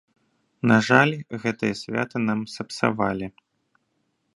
На жаль, гэтае свята нам сапсавалі.